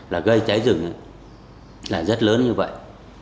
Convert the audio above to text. là gây cháy rừng là rất lớn như vậy